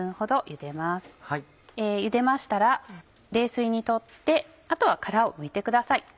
ゆでましたら冷水に取ってあとは殻をむいてください。